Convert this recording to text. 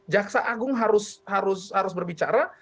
jaksa agung harus berbicara